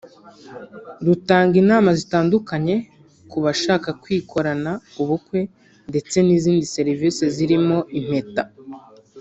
rutanga inama zitandukanye ku bashaka kwikorana ubukwe ndetse n’izindi serivisi zirimo impeta